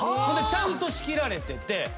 ほんでちゃんと仕切られてて。